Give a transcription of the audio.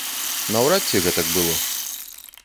Наўрад ці гэтак было.